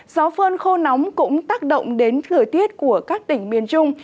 gió phơn khô nóng cũng tác động đến thời tiết của các tỉnh miền trung